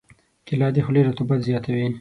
کېله د خولې رطوبت زیاتوي.